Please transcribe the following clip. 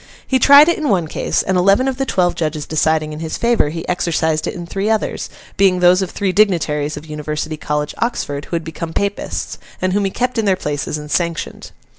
He tried it in one case, and, eleven of the twelve judges deciding in his favour, he exercised it in three others, being those of three dignitaries of University College, Oxford, who had become Papists, and whom he kept in their places and sanctioned.